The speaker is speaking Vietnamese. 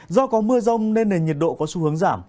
do có mưa rông nên nền nhiệt độ có xu hướng giảm